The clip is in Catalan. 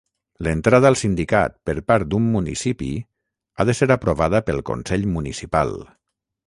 L'entrada al sindicat per part d'un municipi ha de ser aprovada pel consell municipal.